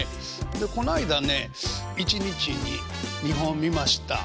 でこないだね一日に２本見ました。